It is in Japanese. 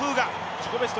自己ベスト